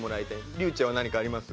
りゅうちぇは何かあります？